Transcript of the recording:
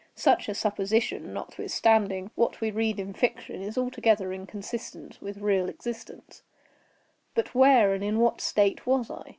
Such a supposition, notwithstanding what we read in fiction, is altogether inconsistent with real existence;—but where and in what state was I?